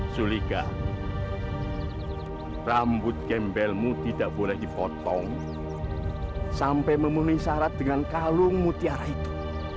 sulika rambut gembelmu tidak boleh dipotong sampai memenuhi syarat dengan kalungmu tiara itu